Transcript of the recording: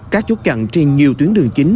các chốt chặn trên nhiều tuyến đường chính